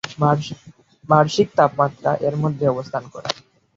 বার্ষিক তাপমাত্রা এর মধ্যে অবস্থান করে।